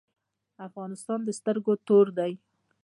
افغانستان د سترګو تور دی؟